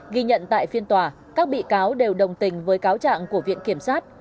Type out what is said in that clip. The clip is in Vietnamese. ghi nhận tại phiên tòa các bị cáo đều đồng tình với cáo trạng của viện kiểm sát